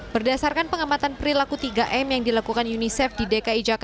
berdasarkan pengamatan perilaku tiga m yang dilakukan unicef di dki jakarta pada bulan maret dua ribu dua puluh